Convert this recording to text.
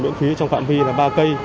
miễn phí trong phạm vi là ba cây